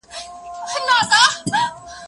هغه وويل چي سیر ګټور دی،